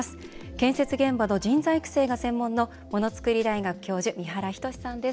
建設現場の人材育成が専門のものつくり大学教授三原斉さんです。